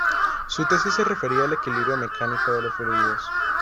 Su tesis se refería al equilibrio mecánico de los fluidos.